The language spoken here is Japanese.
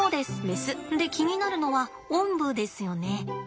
で気になるのはおんぶですよね。